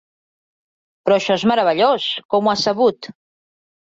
Però això és meravellós! Com ho has sabut?